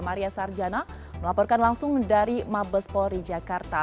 maria sarjana melaporkan langsung dari mabes polri jakarta